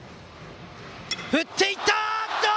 振っていった！